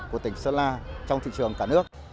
của tỉnh sơn la trong thị trường cả nước